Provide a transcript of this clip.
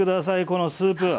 このスープ。